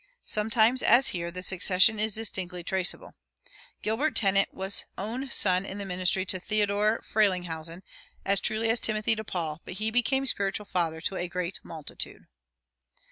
Sometimes, as here, the succession is distinctly traceable. Gilbert Tennent was own son in the ministry to Theodore Frelinghuysen as truly as Timothy to Paul, but he became spiritual father to a great multitude.